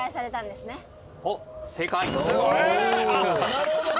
なるほどね！